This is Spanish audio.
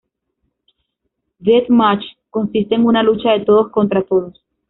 Deathmatch: Consiste en una lucha de todos contra todos.